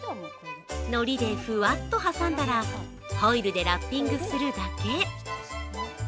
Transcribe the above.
のりでふわっと挟んだら、ホイルでラッピングするだけ。